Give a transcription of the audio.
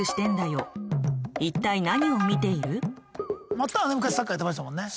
まったん昔サッカーやってましたもんね。